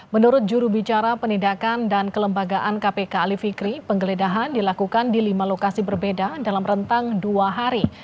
menurut jurubicara penindakan dan kelembagaan kpk ali fikri penggeledahan dilakukan di lima lokasi berbeda dalam rentang dua hari